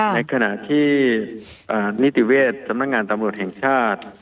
ในขณะที่นิติเวชสำนักงานตำรวจแห่งชาติ